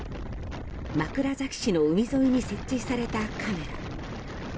枕崎市の海沿いに設置されたカメラ。